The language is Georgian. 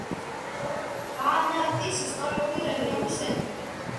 ბანატის ისტორიული რეგიონის ცენტრი.